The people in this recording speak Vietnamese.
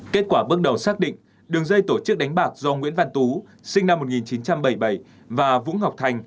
kết quả bước đầu xác định đường dây tổ chức đánh bạc do nguyễn văn tú sinh năm một nghìn chín trăm bảy mươi bảy và vũ ngọc thành